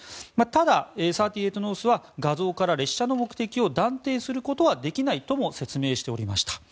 ただ、３８ノースは画像から列車の目的は断定することはできないとも説明しておりました。